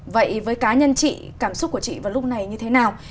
vậy với cá nhân chị cảm xúc của chị vào lúc này như thế nào